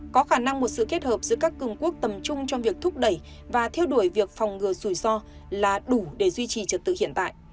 có khả năng một sự kết hợp giữa các cường quốc tầm trung trong việc thúc đẩy và theo đuổi việc phòng ngừa rủi ro là đủ để duy trì trật tự hiện tại